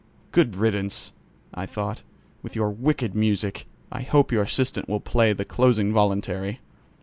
"Good riddance!" I thought, "with your wicked music! I hope your assistant will play the closing voluntary."